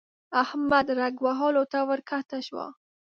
احمد رګ وهلو ته ورکښته شو.